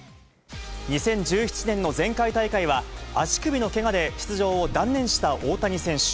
２０１７年の前回大会は、足首のけがで出場を断念した大谷選手。